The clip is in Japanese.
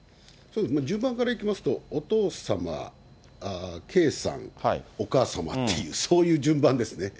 順番からいきますと、お父様、圭さん、お母様っていう、そういう順番ですね。